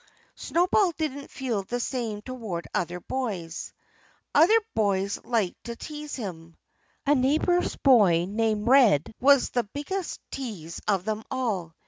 Snowball didn't feel the same toward other boys. Other boys liked to tease him. A neighbor's boy called "Red" was the biggest tease of them all.